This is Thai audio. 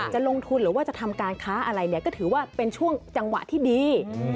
จะลงทุนหรือว่าจะทำการค้าอะไรเนี่ยก็ถือว่าเป็นช่วงจังหวะที่ดี